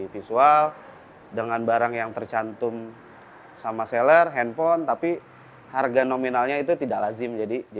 visual dengan barang yang tercantum dengan seller handphone tapi harga nominalnya itu tidak lazim